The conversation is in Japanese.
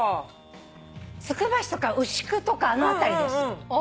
つくば市とか牛久とかあの辺りです。